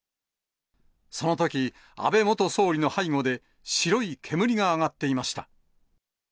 そのとき、安倍元総理の背後で、白い煙が上がっていました。